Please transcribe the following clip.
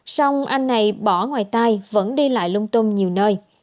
xong anh này bỏ ngoài tai vẫn đi lại lung tung nhiều nơi